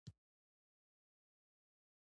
لاس مې ترې واخیست، نور نه ورځم.